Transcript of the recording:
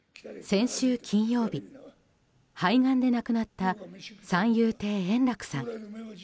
先週金曜日肺がんで亡くなった三遊亭円楽さん。